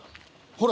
ほら！